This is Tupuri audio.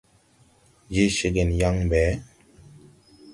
Je ceegen yaŋ ɓe ?